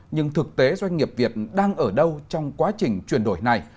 nhưng thực tế doanh nghiệp việt đang ở đâu trong quá trình chuyển đổi này